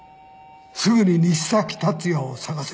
すぐに西崎竜也を捜せ。